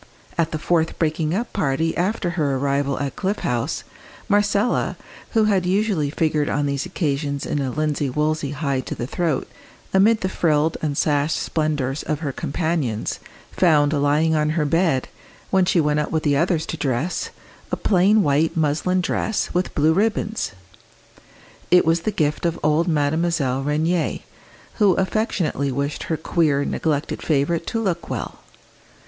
At the fourth breaking up party after her arrival at Cliff House, Marcella, who had usually figured on these occasions in a linsey woolsey high to the throat, amid the frilled and sashed splendours of her companions, found lying on her bed, when she went up with the others to dress, a plain white muslin dress with blue ribbons. It was the gift of old Mademoiselle Rénier, who affectionately wished her queer, neglected favourite to look well.